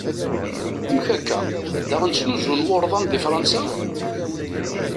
Amek akka? Daɣen ttnuzun wurḍan di Fransa?